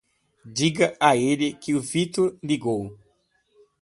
Diga a ele que o Vitor ligou.